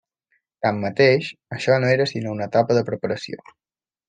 Tanmateix, això no era sinó una etapa de preparació.